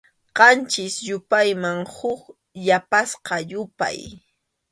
Qanchis yupayman huk yapasqa yupay.